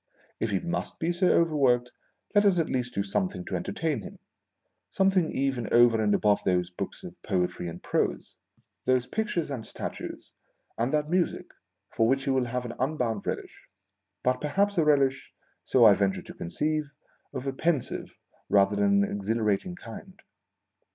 If he must be so overworked, let us at least do something to entertain him — something even over and above those books of poetry and prose, those pictures and statues, and that music, for which he will have an unbounded relish, but perhaps a relish (so I venture to conceive) of a pensive rather than an exhilarating kind.